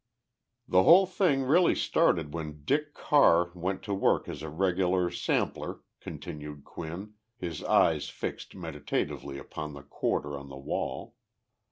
The whole thing really started when Dick Carr went to work as a sugar sampler [continued Quinn, his eyes fixed meditatively upon the quarter on the wall].